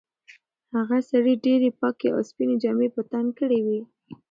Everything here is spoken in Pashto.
هغه سړي ډېرې پاکې او سپینې جامې په تن کړې وې.